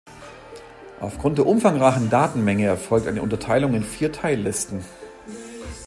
Aufgrund der umfangreichen Datenmenge erfolgt eine Unterteilung in vier Teillisten.